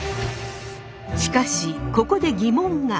しかしここで疑問が。